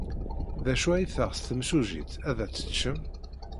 D acu ay teɣs temsujjit ad t-teččem?